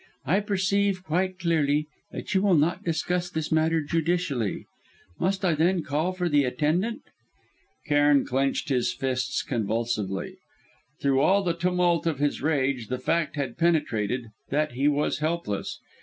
"I perceive quite clearly that you will not discuss this matter judicially. Must I then call for the attendant?" Cairn clenched his fists convulsively. Through all the tumult of his rage, the fact had penetrated that he was helpless.